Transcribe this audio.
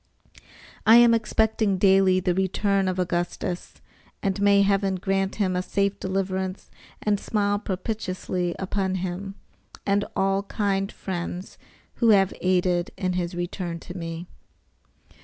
I am expecting daily the return of Augustus, and may Heaven grant him a safe deliverance and smile propitiously upon you and all kind friends who have aided in his return to me.